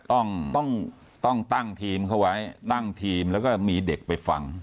ต้องต้องตั้งทีมเข้าไว้ตั้งทีมแล้วก็มีเด็กไปฟัง